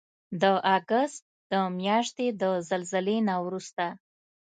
د اګست د میاشتې د زلزلې نه وروسته